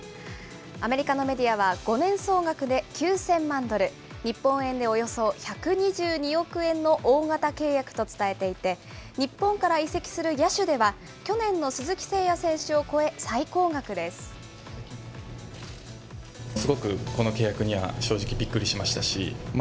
アメリカのメディアは、５年総額で９０００万ドル、日本円でおよそ１２２億円の大型契約と伝えていて、日本から移籍する野手では、去年の鈴木誠也選手を超え、最高額です。